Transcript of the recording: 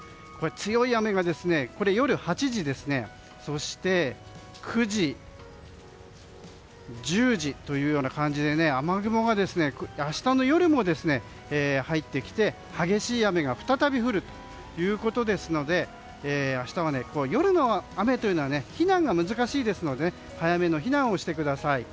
強い雨が夜８時からそして９時、１０時という感じで雨雲が明日の夜も入ってきて激しい雨が再び降るということですので夜の雨は避難が難しいので早めの避難をしてください。